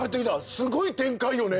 すごい展開よね